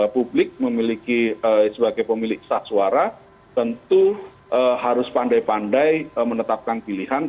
publik sebagai pemilik saswara tentu harus pandai pandai menetapkan pilihan